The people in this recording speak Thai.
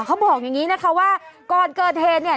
เขาบอกอย่างนี้นะคะว่าก่อนเกิดเหตุเนี่ย